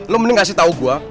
lo mending kasih tau gua